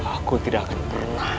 aku tidak akan pernah